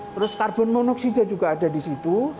terus karbon monoksida juga ada di situ